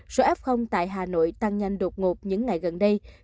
số f tại hà nội tăng nhanh đột ngột những ngày gần đây